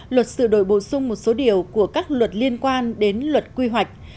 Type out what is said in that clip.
luật sửa đổi bổ sung một số điều của các luật liên quan đến luật quy hoạch